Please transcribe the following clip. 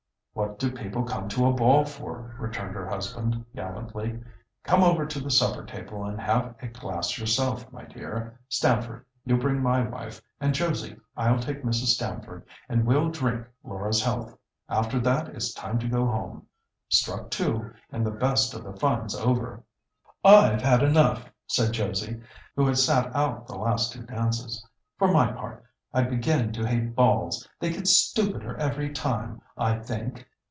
"What do people come to a ball for?" returned her husband, gallantly. "Come over to the supper table and have a glass yourself, my dear. Stamford, you bring my wife and Josie. I'll take Mrs. Stamford, and we'll drink Laura's health. After that it's time to go home. Struck two, and the best of the fun's over." "I've had enough," said Josie, who had sat out the last two dances. "For my part, I begin to hate balls; they get stupider every time, I think.